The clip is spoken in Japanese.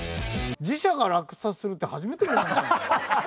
自社が落札するって初めての事なんじゃないの？